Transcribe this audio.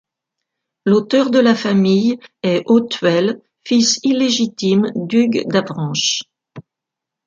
L'auteur de la famille est Othuel, fils illégitime d'Hugues d'Avranches.